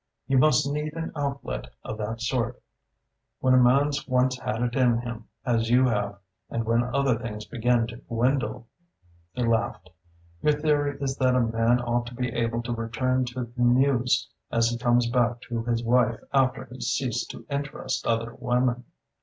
"You must need an outlet of that sort. When a man's once had it in him, as you have and when other things begin to dwindle " He laughed. "Your theory is that a man ought to be able to return to the Muse as he comes back to his wife after he's ceased to interest other women?"